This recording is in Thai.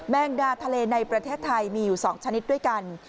งดาทะเลในประเทศไทยมีอยู่๒ชนิดด้วยกัน